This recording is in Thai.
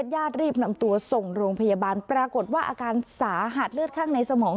ญาติรีบนำตัวส่งโรงพยาบาลปรากฏว่าอาการสาหัสเลือดข้างในสมอง